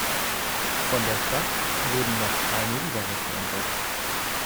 Von der Stadt wurden noch keine Überreste entdeckt.